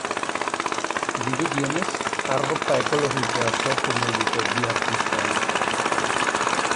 Dirudienez, arropa ekologikoa sortu nahi dute bi artista hauek.